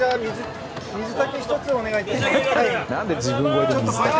水炊きを１つお願いします。